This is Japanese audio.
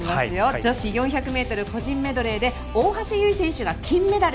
女子４００ｍ個人メドレーで大橋悠依選手が金メダル。